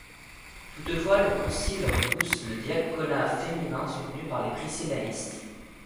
Toutefois le concile repousse le diaconat féminin soutenu par les priscillanistes.